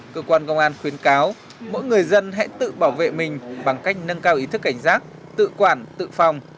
cơ quan công an khuyến cáo mỗi người dân hãy tự bảo vệ mình bằng cách nâng cao ý thức cảnh giác tự quản tự phòng